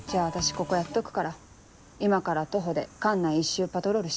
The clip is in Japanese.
ここやっとくから今から徒歩で管内一周パトロールしておいで。